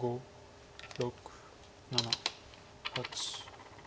６７８９。